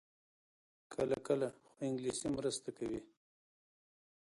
کله کله، خو انګلیسي مرسته کوي